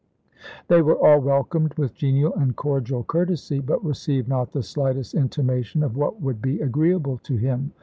They were all welcomed with genial and cordial courtesy, but received not the slightest intimation of what would be agreeable to him.